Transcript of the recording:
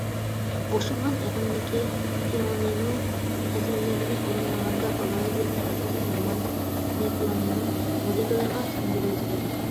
ئوخشىمىغان ئېقىمدىكى پىيانىنو ئەسەرلىرىنى ئورۇنلىغاندا ئالاھىدىلىككە ئاساسەن رومانتىك ئۇسلۇبنى پىيانىنو مۇزىكىلىرىغا سىڭدۈرۈۋېتىدۇ.